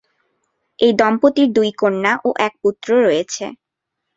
এ দম্পতির দুই কন্যা ও এক পুত্র রয়েছে।